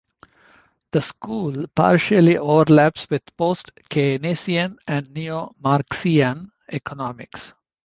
The school partially overlaps with post-Keynesian and neo-Marxian economics.